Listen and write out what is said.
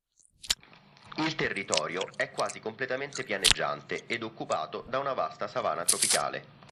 Il territorio è quasi completamente pianeggiante ed occupato da una vasta savana tropicale.